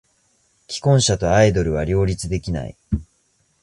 既婚者とアイドルは両立できない。